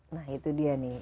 nah itu dia nih